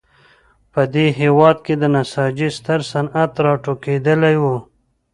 په دې هېواد کې د نساجۍ ستر صنعت راټوکېدلی و.